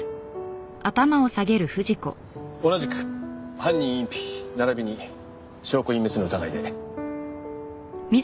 同じく犯人隠避並びに証拠隠滅の疑いで。